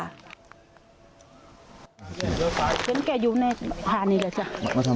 ยายชม๘๒ปีแล้วจะทำอะไรได้ค่ะ